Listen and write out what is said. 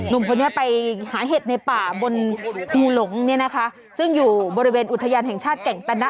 หนุ่มคนนี้ไปหาเห็ดในป่าบนภูหลงเนี่ยนะคะซึ่งอยู่บริเวณอุทยานแห่งชาติแก่งตะนะ